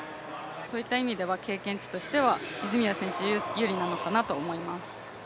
そういった意味では経験値としては泉谷選手、有利なのかなと思います。